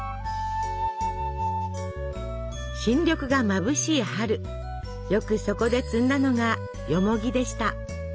新緑がまぶしい春よくそこで摘んだのがよもぎでした。